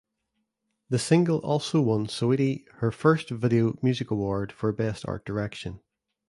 The single also won Saweetie her first Video Music Award for Best Art Direction.